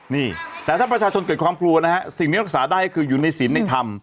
นี่แต่ถ้าประชาชนเกิดความกลัวนะฮะสิ่งที่รักษาได้ก็คืออยู่ในศีลในธรรม